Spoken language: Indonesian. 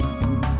liat dong liat